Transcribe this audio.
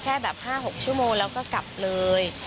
แค่แบบ๕๖ชั่วโมงแล้วก็กลับเลย